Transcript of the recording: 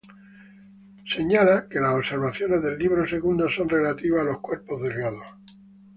Señala que las observaciones del Libro Segundo son relativas a los cuerpos delgados.